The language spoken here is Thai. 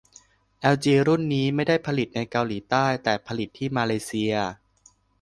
แอลจีรุ่นนี้ไม่ได้ผลิตในเกาหลีใต้ แต่ผลิตที่มาเลเซีย